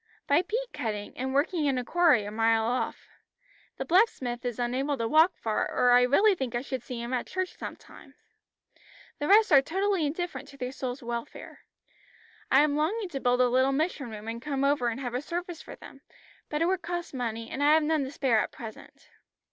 "By peat cutting, and working in a quarry a mile off. The blacksmith is unable to walk far, or I really think I should see him at church sometimes. The rest are totally indifferent to their soul's welfare. I am longing to build a little mission room and come over and have a service for them, but it would cost money, and I have none to spare at present."